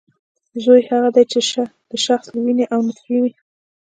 زوی هغه دی چې د شخص له وینې او نطفې وي